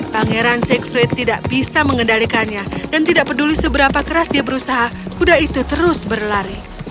pangeran sieg frit tidak bisa mengendalikannya dan tidak peduli seberapa keras dia berusaha kuda itu terus berlari